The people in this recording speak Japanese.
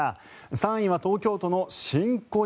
３位は東京都の新小岩。